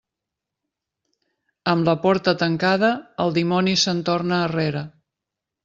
Amb la porta tancada, el dimoni se'n torna arrere.